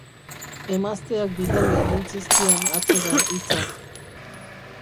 Emazteak bidali egin zizkion atzera hitzak.